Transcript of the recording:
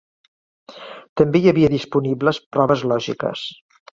També hi havia disponibles proves lògiques.